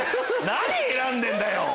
何選んでんだよ！